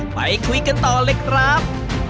ไปคุยกันต่อเลยครับ